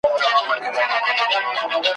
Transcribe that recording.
چي دا ولي؟ راته ووایاست حالونه ,